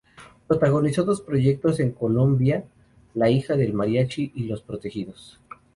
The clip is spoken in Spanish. Protagonizó dos proyectos en Colombia, "La hija del mariachi" y "Los protegidos".